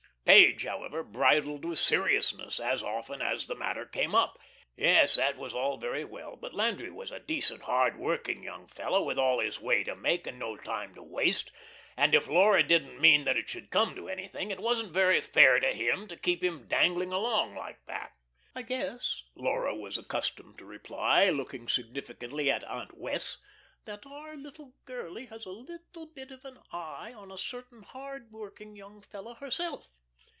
Page, however, bridled with seriousness as often as the matter came up. Yes, that was all very well, but Landry was a decent, hard working young fellow, with all his way to make and no time to waste, and if Laura didn't mean that it should come to anything it wasn't very fair to him to keep him dangling along like that. "I guess," Laura was accustomed to reply, looking significantly at Aunt Wess', "that our little girlie has a little bit of an eye on a certain hard working young fellow herself."